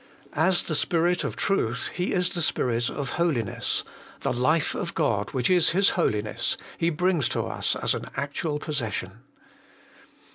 As the Spirit of Truth He is the Spirit of Holiness; the life of God, which is His Holiness, He brings to us as an actual possession.